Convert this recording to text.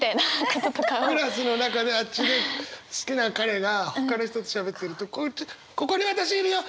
クラスの中であっちで好きな彼がほかの人としゃべってるとここに私いるよ！